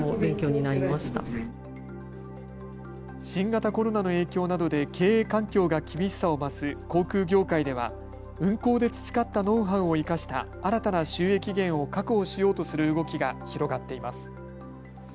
新型コロナの影響などで経営環境が厳しさを増す航空業界では空港で培ったノウハウを生かした新たな収益源を確保しようとする動きが広がっています。